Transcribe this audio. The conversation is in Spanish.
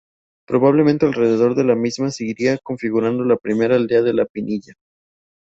Probablemente alrededor de la misma se iría configurando la primera aldea de La Pinilla.